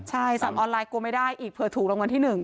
ใช่สั่งออนไลน์กลัวไม่ได้อีกเผื่อถูกรางวัลที่๑